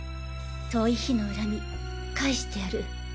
「遠い日の恨み返してやる」